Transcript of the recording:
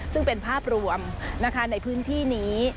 ซึ่งเป็นภาพรวมในพื้นที่นี้